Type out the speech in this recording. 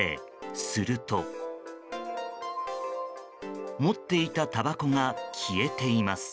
すると、持っていたたばこが消えています。